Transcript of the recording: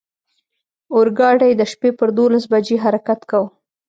اورګاډی د شپې پر دولس بجې حرکت کاوه.